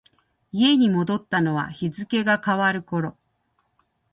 家に戻ったのは日付が変わる頃。